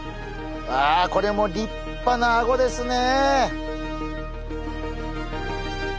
あこれも立派なアゴですね。